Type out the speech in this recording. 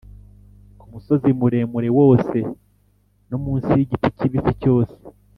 ku musozi muremure wose no munsi y’igiti kibisi cyose